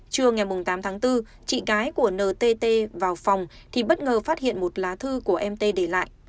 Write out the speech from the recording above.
trưa ngày tám tháng bốn chị gái của ntt vào phòng thì bất ngờ phát hiện một lá thư của mt để lại